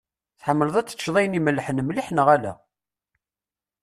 Tḥemmleḍ ad teččeḍ ayen imellḥen mliḥ neɣ ala?